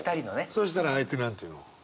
そしたら相手何て言うの？